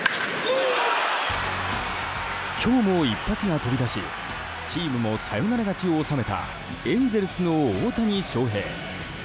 今日も一発が飛び出しチームもサヨナラ勝ちを収めたエンゼルスの大谷翔平。